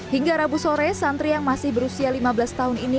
hingga rabu sore santri yang masih berusia lima belas tahun ini